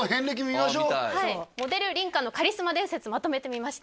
見たいモデル梨花のカリスマ伝説まとめてみました